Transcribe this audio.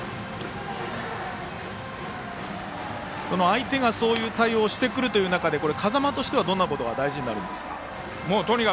相手がそういう対応をしてくる中で風間としてはどんなことが大事になりますか。